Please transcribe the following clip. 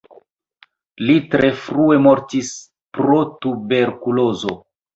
Li tre frue mortis pro tuberkulozo.